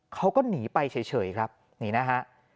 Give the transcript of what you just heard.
เขาก็หนีไปเฉยครับนี่นะฮะ